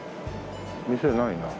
店ないな。